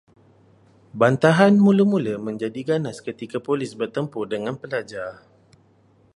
Bantahan mula-mula menjadi ganas ketika polis bertempur dengan pelajar